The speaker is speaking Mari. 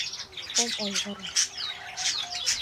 Ом ойгыро!